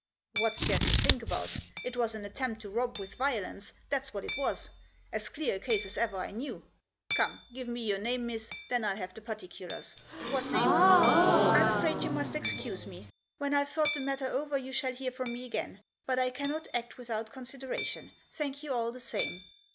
" What's there to think about ? It was an attempt to rob with violence, that's what it was ; as clear a case as ever I knew. Come, give me your name, miss, then I'll have the particulars. What name ?"" I'm afraid you must excuse me. When I've Digitized by 88 THE JOSS. thought the matter over you shall hear from me again, but I cannot act without consideration. Thank you all the same."